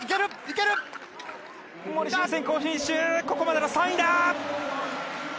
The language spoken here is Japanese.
ここまで３位だ！